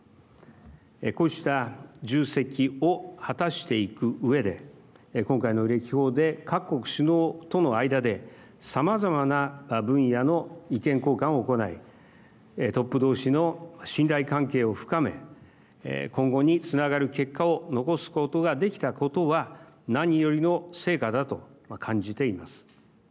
こうした重責を果たしていく上で今回の歴訪で各国首脳との間でさまざまな分野の意見交換を行いトップどうしの信頼関係を深め今後につながる結果を残すことができたことは何よりの成果だと感じています。